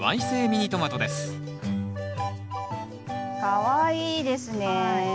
かわいいですね。